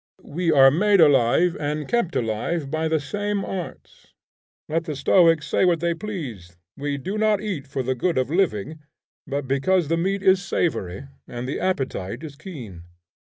We are made alive and kept alive by the same arts. Let the stoics say what they please, we do not eat for the good of living, but because the meat is savory and the appetite is keen.